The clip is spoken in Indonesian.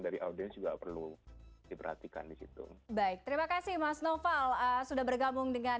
dari audiens juga perlu diperhatikan disitu baik terima kasih mas noval sudah bergabung dengan